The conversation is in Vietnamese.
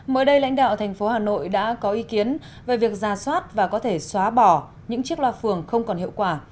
mới đây lãnh đạo thành phố hà nội đã có ý kiến về việc ra soát và có thể xóa bỏ những chiếc loa phường không còn hiệu quả